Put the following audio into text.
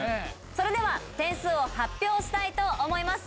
それでは点数を発表したいと思います。